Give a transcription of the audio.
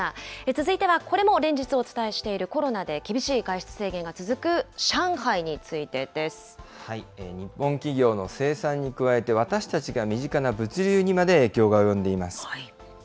続いてはこれも連日お伝えしている、コロナで厳しい外出制限が続日本企業の生産に加えて、私たちが身近な物流にまで影響が及んでいます。